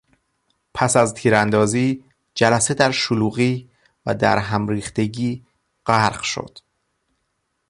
پس از تیراندازی جلسه در شلوغی و در هم ریختگی غرق شد.